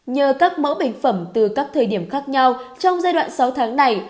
nhờ các mẫu bệnh phẩm từ các thời điểm khác nhau trong giai đoạn sáu tháng này